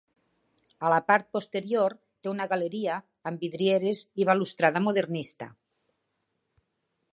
A la part posterior té una galeria amb vidrieres i balustrada modernista.